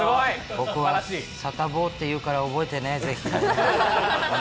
僕はサタボーっていうから、覚えてね、ぜひね。